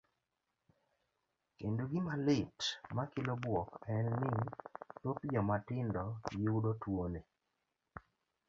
Kendo gima lit makelo buok en ni thoth joma tindo yudo tuoni.